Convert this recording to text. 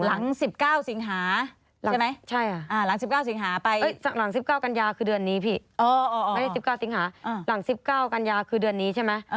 หลังสิบเก้าสิงหาใช่ไหมใช่อ่ะอ่าหลังสิบเก้าสิงหาไปเอ้ยหลังสิบเก้ากันยาคือเดือนนี้พี่